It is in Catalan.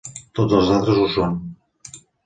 Tots els altres ho són.